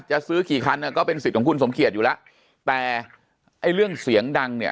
จะซื้อกี่คันก็เป็นสิทธิ์ของคุณสมเกียจอยู่แล้วแต่ไอ้เรื่องเสียงดังเนี่ย